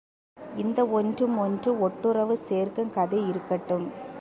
இந்த ஒன்றும் ஒன்றும் ஒட்டுறவு சேர்க்கும் கதை இருக்கட்டும்.